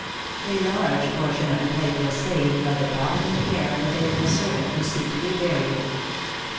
A large portion of the plate was saved by the provident care of a faithful servant, who secretly buried it.